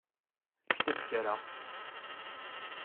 Kteb kra!